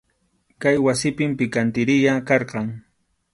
Kay wasipim pikantiriya karqan.